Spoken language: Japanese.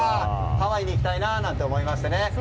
ハワイに行きたいななんて思いまして。